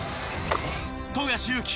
富樫勇樹